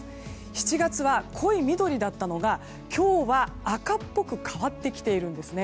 ７月は、濃い緑だったのが今日は赤っぽく変わってきているんです。